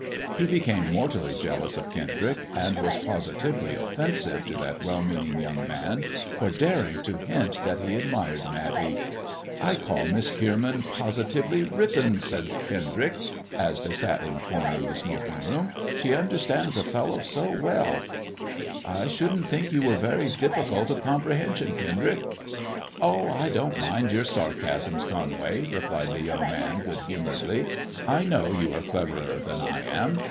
He became mortally jealous of Kendrick, and was positively offensive to that well meaning young man for daring to hint that he admired Matty. " I call Miss Kierman positively rippin'," said Kendrick, as they sat in a comer of the smoking room. " She under stands a fellow 80 well." 180 MISS JONATHAN "I shouldn't think you were very difficult of compre hension, Kendrick." " Oh I I don't mind your sarcasms, Conway," replied the young man, good humouredly. " I know you are cleverer than I am.